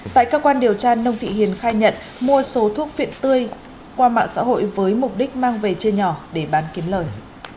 tại cơ quan điều tra nông thị hiền khai nhận mua số thuốc viện tươi qua mạng xã hội với mục đích mang về chia nhỏ để bán kiếm lời